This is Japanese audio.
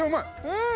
うん！